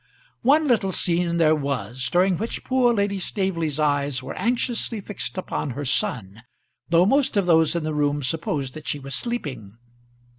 One little scene there was, during which poor Lady Staveley's eyes were anxiously fixed upon her son, though most of those in the room supposed that she was sleeping.